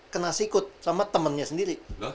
kena sikut sama temennya sendiri